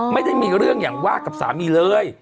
ไม่ได้มีเรื่องอย่างว่ากับสามีเลย